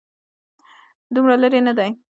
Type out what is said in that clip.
دومره لرې نه دی.